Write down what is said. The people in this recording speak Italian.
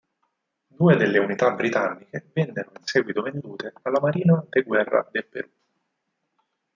Due delle unità britanniche vennero in seguito vendute alla Marina de Guerra del Perú.